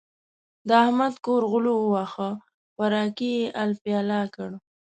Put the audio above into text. د احمد کور غلو وواهه؛ خوراکی يې الپی الا کړ.